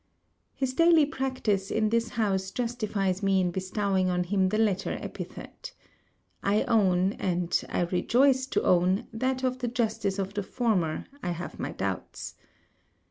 His daily practice in this house justifies me in bestowing on him the latter epithet. I own, and I rejoice to own, that of the justice of the former I have my doubts.